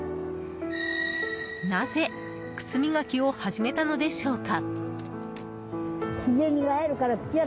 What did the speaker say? なぜ靴磨きを始めたのでしょうか。